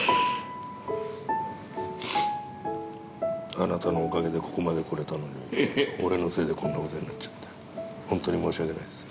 あなたのおかげでここまで来れたのに俺のせいでこんなことになっちゃってほんとに申し訳ないです。